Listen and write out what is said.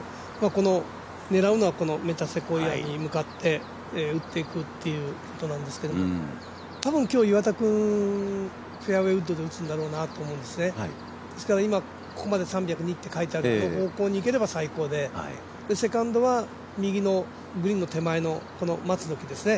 狙うのはメタセコイアに向かって打っていくってことなんですけど多分、今日、岩田君フェアウエーウッドで打つんだろうなと思うんですねですから、今、ここまで３０２って書いてある方向に行ければ最高で、セカンドは右のグリーンの手前の松の木ですね。